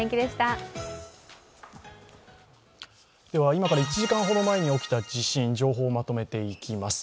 今から１時間ほど前に起きた地震、情報をまとめていきます。